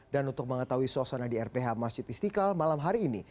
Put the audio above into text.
dan untuk mengetahui suasana di rph masjid istiqlal malam hari ini